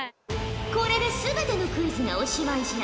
これで全てのクイズがおしまいじゃ。